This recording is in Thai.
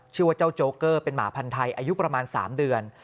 ชื่อว่าเจ้าโจ๊เกอร์เป็นหมาพันธ์ไทยอายุประมาณ๓เดือน